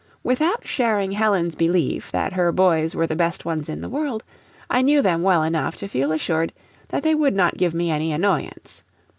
Without sharing Helen's belief that her boys were the best ones in the world, I knew them well enough to feel assured that they would not give me any annoyance.